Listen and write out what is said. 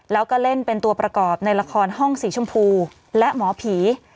แล้วก็เล่นเป็นตัวประกอบในละครห้องสีชมพูและหมอผี